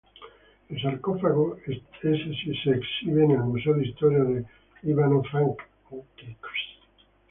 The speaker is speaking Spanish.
El sarcófago es exhibido en el Museo de historia de Ivano-Frankivsk.